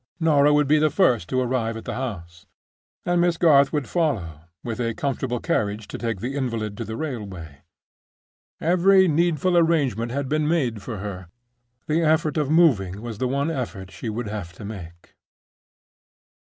Norah would be the first to arrive at the house; and Miss Garth would follow, with a comfortable carriage to take the invalid to the railway. Every needful arrangement had been made for her; the effort of moving was the one effort she would have to make.